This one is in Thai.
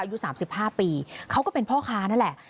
อายุสามสิบห้าปีเขาก็เป็นพ่อค้านั่นแหละ